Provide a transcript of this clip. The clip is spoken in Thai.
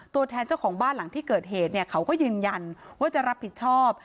ตัวแทนเจ้าของบ้านหลังที่เกิดเหตุเนี่ยเขาก็ยืนยันว่าจะรับผิดชอบ